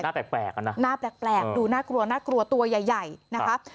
แต่หน้าแปลกนะหน้าแปลกดูน่ากลัวน่ากลัวตัวใหญ่นะครับ